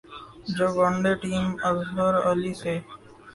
جب one day team Azhar Ali سے